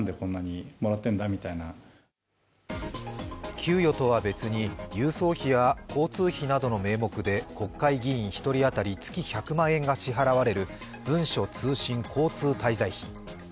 給与とは別に、郵送費や交通費などの名目で国会議員１人当たり月１００万円が支払われる文書通信交通滞在費。